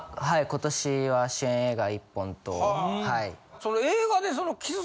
今年は主演映画１本とはい。